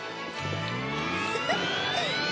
フフフッ。